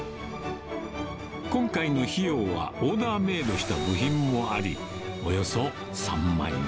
今回の費用はオーダーメードした部品もあり、およそ３万円。